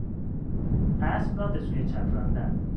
اسب را به سوی چپ راندن